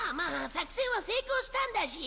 作戦は成功したんだし。